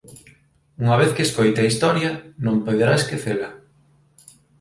Unha vez que escoite a historia, non poderá esquecela.